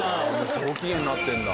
上機嫌になってんだ。